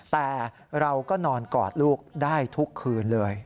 แต่เราก็นอนกอดลูกได้ทุกคืนเลย